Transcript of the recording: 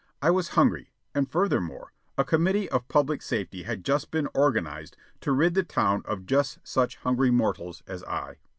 I was hungry, and, furthermore, a committee of public safety had just been organized to rid the town of just such hungry mortals as I.